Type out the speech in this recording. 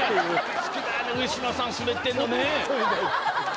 好きだよね、上島さん滑ってんのね。